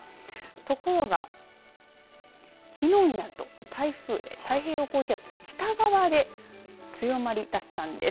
ところがきのうになると台風太平洋高気圧北側で強まり出したんです。